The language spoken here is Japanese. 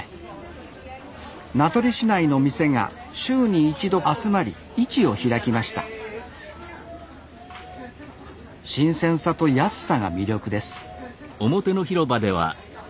名取市内の店が週に１度集まり市を開きました新鮮さと安さが魅力です